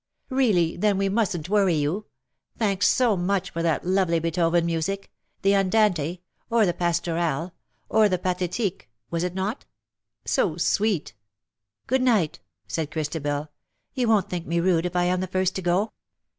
^^'* Really, then we mustn^t worry you. Thanks so much for that lovely Beethoven music — the ' Andante '— or the ' Pastorale '— or the ' Pa thetique,^ was it not ? So sweet.^^ " Good night/^ said Christabel. " You won't think me rude if I am the first to go